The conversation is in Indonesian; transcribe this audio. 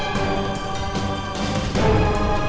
saya pengalaman gitu kan